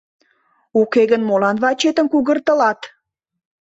Уке гын молан вачетым кугыртылат?